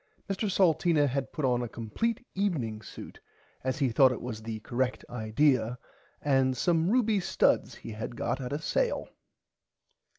Mr Salteena had put on a compleat evening suit as he thought it was the correct idear and some ruby studs he had got at a sale.